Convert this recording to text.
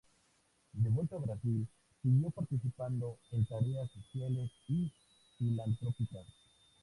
De vuelta a Brasil, siguió participando en tareas sociales y filantrópicas.